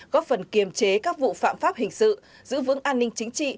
góp phần kiềm chế các vụ phạm pháp hình sự giữ vững an ninh chính trị